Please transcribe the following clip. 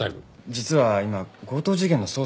実は今強盗事件の捜査で。